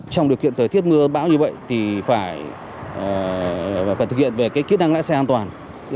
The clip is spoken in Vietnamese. trong điều kiện thời tiết mưa bão như vậy thì phải thực hiện về kỹ năng lái xe an toàn